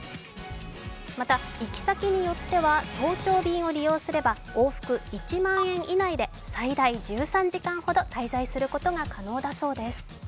また、行き先によっては早朝便を利用すれば往復１万円以内で最大１３時間ほど滞在することが可能だそうです。